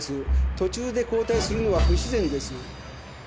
途中で交代するのは不自然です。